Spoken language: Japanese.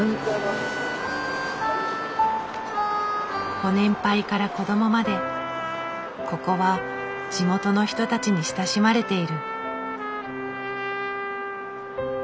ご年配から子供までここは地元の人たちに親しまれている。